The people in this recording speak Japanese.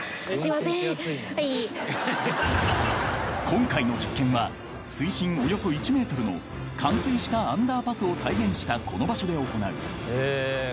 ［今回の実験は水深およそ１ｍの冠水したアンダーパスを再現したこの場所で行う］